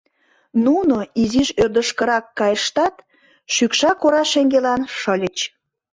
Нуно изиш ӧрдыжкырак кайыштат, шӱкшак ора шеҥгелан шыльыч.